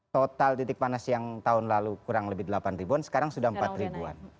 total titik panas yang tahun lalu kurang lebih delapan ribuan sekarang sudah empat ribuan